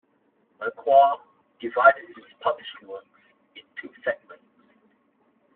Merquior divided his published works in two segments.